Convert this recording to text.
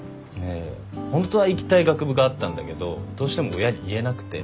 ホントは行きたい学部があったんだけどどうしても親に言えなくて。